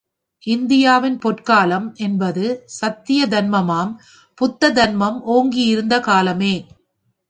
இந்தியாவின் பொற்காலம் என்பது சத்திய தன்மமாம் புத்த தன்மம் ஓங்கியிருந்த காலமே.